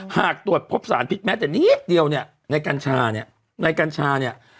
หากตรวจพบสารพิษแม้แต่นิดเดียวเนี่ยในกัญชาเนี่ย